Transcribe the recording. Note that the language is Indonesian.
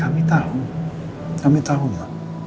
kami tahu kami tahu pak